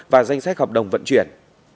và danh sách hợp đồng vận chuyển